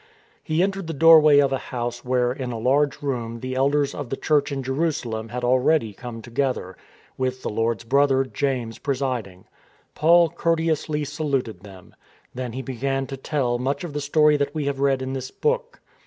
He entered the doorway of a house where in a large room the elders of the Church in Jerusalem had already come together, with the Lord's brother, James, presiding. Paul courte ously saluted them. Then he began to tell much of the story that we have read in this book.